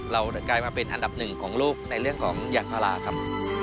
กลายมาเป็นอันดับหนึ่งของโลกในเรื่องของยางพาราครับ